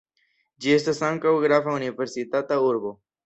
Ĝi estas ankaŭ grava universitata urbo.